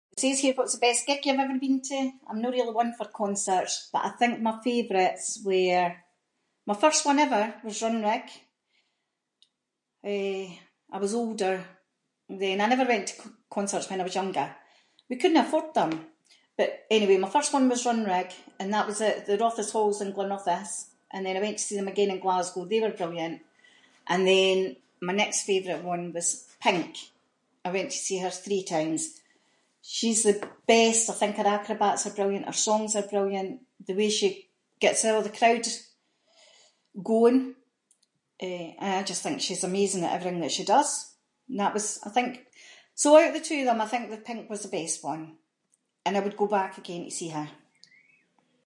It says here what’s the best gig you’ve ever been to. I’m no really one for concerts, but I think my favourites were- my first one ever was Runrig, eh, I was older then, I never went to concerts when I was younger. We couldnae afford them, but anyway, my first one was Runrig, and that was at the Rothes halls in Glenrothes, and then I went to see them again in Glasgow, they were brilliant. And then, my next favourite one was Pink, I went to see her three times. She’s the best, I think her acrobats are brilliant, her songs are brilliant, the way she gets all the crowd going, eh, and I just think she’s amazing at everything that she does. And that was, I think- so out of the two of them I think that Pink was the best one, and I would go back again to see her.